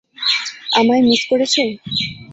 আমায় মিস করেছো?